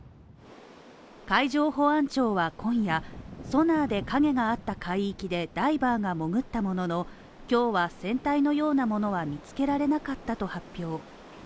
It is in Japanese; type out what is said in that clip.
海上保安庁は今夜、ソナーで影があった海域でダイバーが潜ったものの今日は船体のようなものは見つけられなかったと発表。